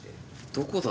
どこだ？